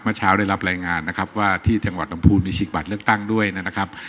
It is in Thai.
เมื่อเช้าได้รับรายงานนะครับว่าที่จังหวัดลำพูนมีฉีกบัตรเลือกตั้งด้วยนะครับ